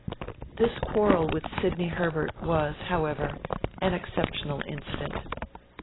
This quarrel with Sidney Herbert was, however, an exceptional incident.